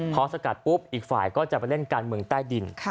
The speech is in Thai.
พอสกัดปุ๊บอีกฝ่ายก็จะไปเล่นการเมืองใต้ดิน